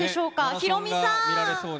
ヒロミさん。